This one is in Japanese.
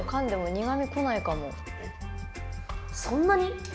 そんなに？